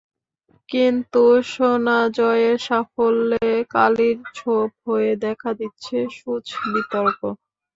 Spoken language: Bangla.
কিন্তু সোনা জয়ের সাফল্যে কালির ছোপ হয়ে দেখা দিচ্ছে সুচ বিতর্ক।